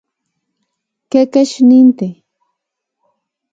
¿Kekech nintej?